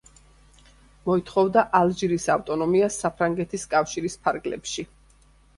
მოითხოვდა ალჟირის ავტონომიას საფრანგეთის კავშირის ფარგლებში.